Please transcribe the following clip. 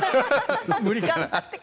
無理かな？